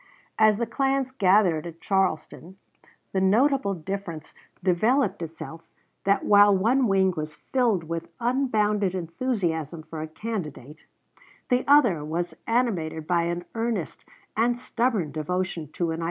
As the clans gathered at Charleston, the notable difference developed itself, that while one wing was filled with unbounded enthusiasm for a candidate, the other was animated by an earnest and stubborn devotion to an idea.